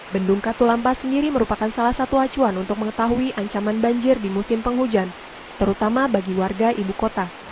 bendung katulampa sendiri merupakan salah satu acuan untuk mengetahui ancaman banjir di musim penghujan terutama bagi warga ibu kota